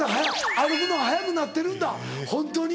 歩くのが速くなってるんだホントに。